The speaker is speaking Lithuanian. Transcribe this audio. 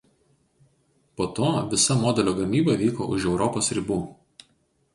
Po to visa modelio gamyba vyko už Europos ribų.